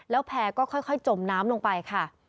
แล้วแพร่ก็ค่อยจมน้ำลงไปค่ะ